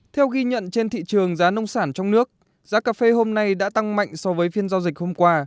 theo ghi nhận trên thị trường giá nông sản trong nước giá cà phê hôm nay đã tăng mạnh so với phiên giao dịch hôm qua